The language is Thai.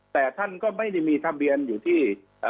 แต่ท่านก็ไม่ได้มีทะเบียนอยู่ที่